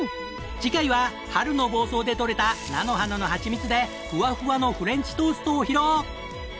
次回は春の房総でとれた菜の花のはちみつでフワフワのフレンチトーストを披露！